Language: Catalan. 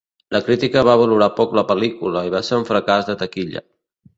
La crítica va valorar poc la pel·lícula i va ser un fracàs de taquilla.